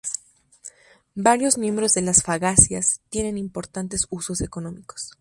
Varios miembros de las fagáceas tienen importantes usos económicos.